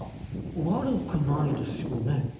悪くないですよね？